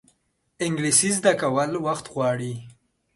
انګلیسي زده کول وخت غواړي